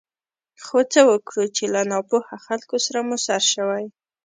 خو څه وکړو چې له ناپوهه خلکو سره مو سر شوی.